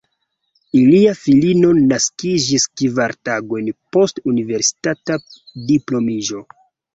Ilia filino naskiĝis kvar tagojn post universitata diplomiĝo.